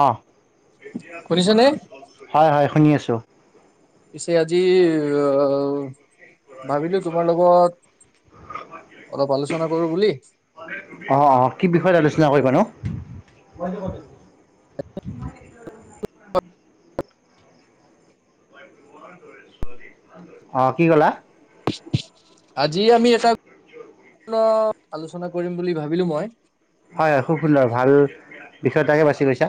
অ শুনিছানে? হয় হয় শুনি আছো । আছো । পিছে আজি ভাবিলো তোমাৰ লগত অলপ আলোচনা কৰো বুলি। অ অ কি বিষয়ত আলোচনা কৰিব নো [unintelligible] অ, কি কলা। আজি আমি এটাূৰ্ণ আলোচনা কৰিম বুলি ভাবিলো মই হয় হয় খুব সুন্দৰ ভাল বিষয়টাকে বাছি গৈছা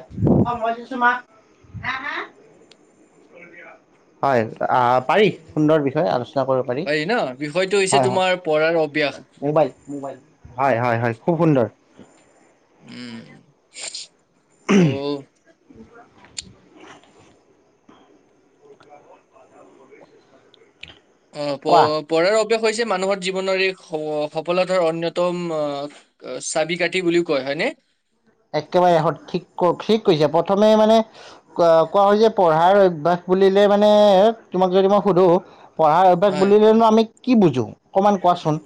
হয়, আহ পাৰি। সুন্দৰ বিষয়ে আলোচনা কৰিব পাৰি ন? বিষয়টো হৈছে হয় তোমাৰ পঢ়াৰ অভ্যাস। হয় মোবাইল মোবাইল হয়, হয়, হয় খুব সুন্দৰ। উম, । ত'। [unintelligible] অ, প, কোৱা। প। হৈছে মানুহৰ জীৱনৰ এক সফলতাৰ অন্যতম আহ চাবি কাঠি বুলিও কয় হয়নে, । একেবাৰে ঠিক ঠিক কৈছে প্ৰথমে মানে কোৱা যে পঢ়াৰ অভ্য়াস বুলিলে মানে তোমাক যদি মই সুধো, । পঢ়াৰ অভ্যাস হয়, বুলিলেনো আমি । কি বুজো অকমান কোৱাচোন'।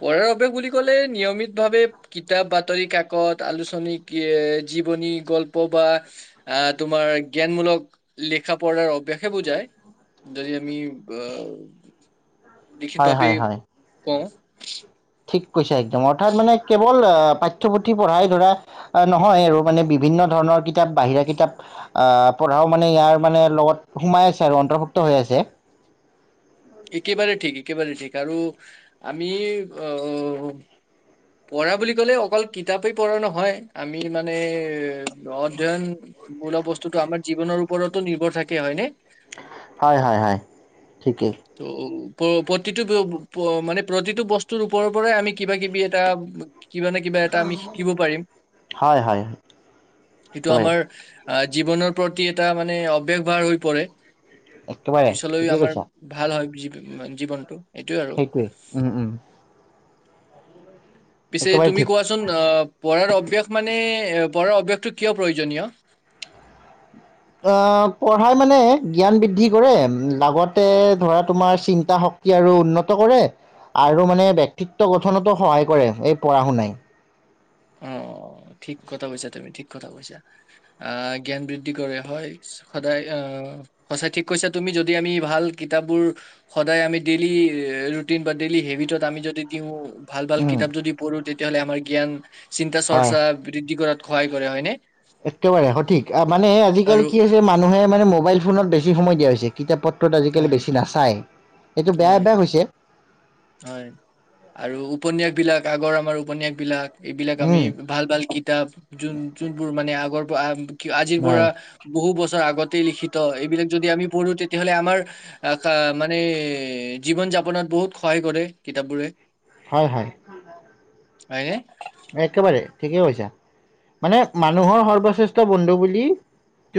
পঢ়াৰ অভ্াস বুলি কলে নিয়মিত ভাৱে কিতাপ বাতৰি কাকত আলোচনী এ জীৱনী গল্প বা আহ তোমাৰ জ্ঞানমূলক লিখা পঢ়াৰ অভ্াসে বুজায় যদি আমি আহ লিখিত হয় ভাৱে হয় হয়। কওঁ ঠিক, । কৈছে একদম অৰ্থাৎ মানে কেৱল'। পাঠ্যপুথি পঢ়াই ধৰা নহয় আৰু মানে বিভিন্ন ধৰণৰ কিতাপ বাহিৰা কিতাপ আহ পঢ়াও মানে ইয়াৰ মানে লগত সোমাই আছে আৰু অন্তৰ্ভুক্ত হৈ আছে'। একেবাৰে ঠিক একেবাৰে ঠিক । আৰু আমি আহ পঢ়া বুলি ক'লে অকল কিতাপেই পঢ়া নহয় আমি মানে, । অধ্যয়ন'। মূল বস্তুতটো আমাৰ জীৱনৰ ওপৰতো নিৰ্ভৰ থাকে হয় নে । হয়, হয়। ঠিকেই ত'। প্ৰতিটো মানে প্ৰতিটো বস্তুৰ ওপৰৰ পৰাই আমি কিবা কিবি এটা'। কিবা নে কিবা এটা আমি শিকিব পাৰিম হয় হয় এইটো একেবাৰে আমাৰ আহ জীৱনৰ প্ৰতি এটা মানে অৱেগ ভাৰ হৈ পৰে'। একেবাৰে পিছলৈ ঠিকেই আমাৰ কৈছা ভাল হয় পিছে জীৱনটো, । সেইটোৱেই উম, উম। পিছে একেবাৰে তুমি ঠিক কোৱাচোন অ পঢ়াৰ অভ্যাস মানে পঢ়াৰ অভ্যাস, । কিন্তু কিয় প্ৰয়োজনীয়? আহ পঢ়াই মানে জ্ঞান বৃদ্ধি কৰে লগতে ধৰা তোমাৰ চিন্তা শক্তি আৰু উন্নত কৰে আৰু মানে ব্যক্তিত্ব গঠনতো সহায় কৰে এই পঢ়া শুনাই'। অ ঠিক কথা কৈছা তুমি ঠিক কথা কৈছা আহ জ্ঞান বৃদ্ধি কৰে হয় সদায় আহ সঁচাই ঠিক কৈছা তুমি যদি আমি ভাল কিতাপবোৰ সদায় আমি ডেইলি ৰুটিন বা ডেইলি হেবিটত আমি যদি দিওঁ, । ভাল ভাল উম কিতাপ যদি পঢ়োঁতে তেতিয়াহ'লে আমাৰ জ্ঞান চিন্তা হয় চৰ্চা বৃদ্ধি কৰাত সহায় কৰে হয়নে একেবাৰে সঠিক মানে আৰু আজিকালি কি হৈছে মানুহে মানে মোবাইল ফোনত বেছি সময় দিয়া হৈছে কিতাপ পত্ৰত আজিকালি হয় বেছি নাচায় এইটো বেয়া হয় অভ্যাস হৈছে হয় আৰু উপন্যাস বিলাক আগৰ আমাৰ উপন্যাস বিলাক এইবিলাক আমি উম ভাল ভাল কিতাপ যোন যোনবোৰ মানে আগৰ পাম কি আজিৰ হয় পৰা বহু বছৰ আগতেই লিখিত এইবিলাক যদি আমি পঢ়ো তেতিয়াহ'লে আমাৰ মানে জীৱন যাপনত বহুত সহায় কৰে কিতাপ বোৰে হয় হয় হে একেবাৰে ঠিকেই কৈছা মানে মানুহৰ সৰ্বশ্ৰেষ্ঠ বন্ধু বুলি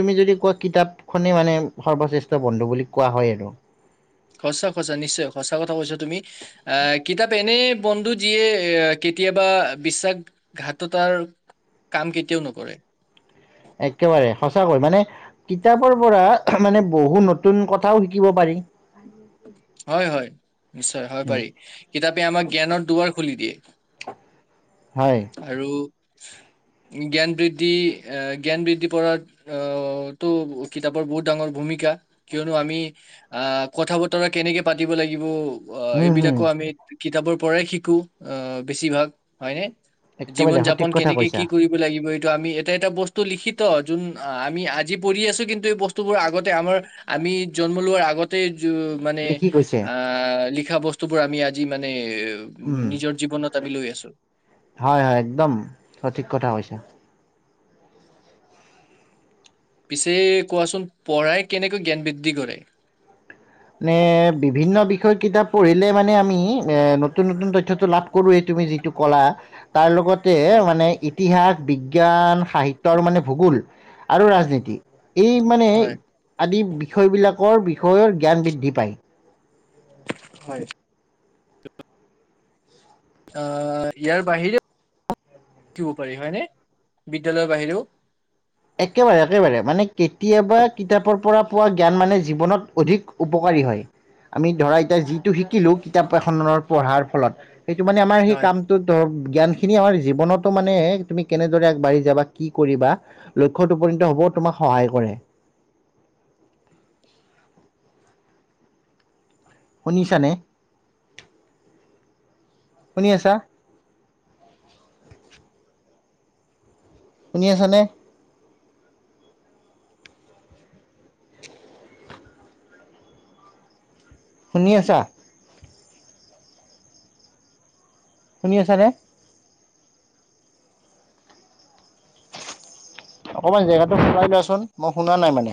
তুমি যদি কোৱা কিতাপখনেই মানে সৰ্বশ্ৰেষ্ঠ বন্ধু বুলি কোৱা হয় আৰু সঁচা সঁচা নিশ্চয় সঁচা কথা কৈছা তুমি আহ কিতাপ এনে বন্ধু যিয়ে এ কেতিয়াবা বিশ্বাসঘাততাৰ কাম কেতিয়াও নকৰে একেবাৰে সঁচাকৈ মানে কিতাপৰ পৰা মানে বহুত নতুন কথাও শিকিব পাৰি হয় হয় নিশ্চয় হয় পাৰি কিতাপ আমাক জ্ঞানৰ দুৱাৰ খুলি দিয়ে হয় আৰু জ্ঞান বৃদ্ধি আহ জ্ঞান বৃদ্ধি পৰা আহটো কিতাপৰ বহুত ডাঙৰ ভূমিকা কিয়নো আমি আহ কথা বতৰা কেনেকৈ পাতিব লাগিব অ উম হম এইবিলাকো আমি কিতাপৰ পৰাই শিকো বেছিভাগ হয়নে একেবাৰে জীৱন সঠিক যাপন কথা কেনেকে কৈছা কি কৰিব লাগিব কিন্তু আমি এটা-এটা বস্তু লিখিত, যোন আমি আজি পঢ়ি আছো কিন্তু এই বস্তু বোৰ আগতে আমাৰ আমি জন্ম লোৱাৰ আগতে য মানে লিখি গৈছে আ, লি লিখা বস্তু বোৰ আমি আজি মানে উম, নিজৰ জীৱনত আমি লৈ আছো হয়- হয়, একদম সঠিক কথা হৈছে। পিছে কোৱাচোন, পঢ়াই কেনেকৈ জ্ঞান বৃদ্ধি কৰে? মানে [unintelligible] কিতাপ পঢ়িলে মানে আমি এ নতুন নতুন তথ্যটো লাভ কৰোৱেই তুমি যিটো ক'লা তাৰ লগতে হয় মানে ইতিহাস, বিজ্ঞান সাহিত্যৰ মানে ভূগোল আৰু ৰাজনীতি এই মানে হয়। আদি বিষয়বিলাক কৰ বিষয়ৰ জ্ঞান বৃদ্ধি পায়। হয় আ ইয়াৰ বাহিৰেও [unintelligible] পাৰি হয়নে, বিদ্যালয়ৰ বাহিৰেও। একেবাৰে-একেবাৰে মানে কেতিয়াবা কিতাপৰ পৰা পোৱা জ্ঞান মানে জীৱনত অধিক উপকাৰী হয়, আমি ধৰা এতিয়া যিটো শিকিলো কিতাপ এখনৰ পঢ়াৰ ফলত সেইটো মানে আমাৰ সেই হয়। কামটোত ধৰক জ্ঞান খিনি আমাৰ জীৱনতো মানে তুমি কেনেদৰে আগবাঢ়ি যাবা কি কৰিবা লক্ষ্যত উপনীত হ'বও তোমাক সহায় কৰে। শুনিছা নে, শুনি আছা? শুনি আছানে? শুনি আছা শুনি আছানে? অকমান জেগাটো সলাই লোৱাচোন, মই শুনা নাই মানে।